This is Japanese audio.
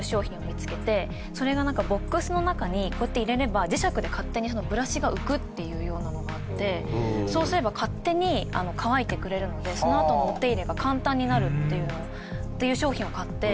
それがなんかボックスの中にこうやって入れれば磁石で勝手にブラシが浮くっていうようなのがあってそうすれば勝手に乾いてくれるのでそのあとのお手入れが簡単になるっていう商品を買って。